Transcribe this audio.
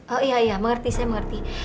oh iya iya mengerti saya mengerti